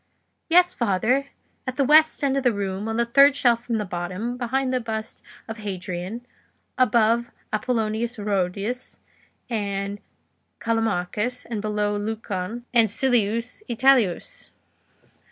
"Yes, father; at the west end of the room, on the third shelf from the bottom, behind the bust of Hadrian, above Apollonius Rhodius and Callimachus, and below Lucan and Silius Italicus."